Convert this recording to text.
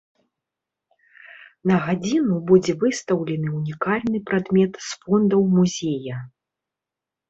На гадзіну будзе выстаўлены ўнікальны прадмет з фондаў музея.